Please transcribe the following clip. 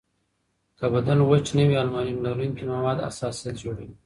که بدن وچ نه وي، المونیم لرونکي مواد حساسیت جوړوي.